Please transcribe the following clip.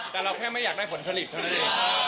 แต่เราแค่ไม่อยากได้ผลผลิตเท่านั้นเอง